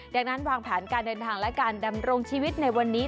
ดังนั้นวางแผนการเดินทางและการดำรงชีวิตในวันนี้